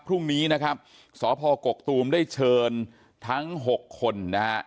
พรุ่งนี้นะครับสพกกตูมได้เชิญทั้ง๖คนนะฮะ